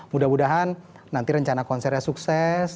mudah mudahan nanti rencana konsernya sukses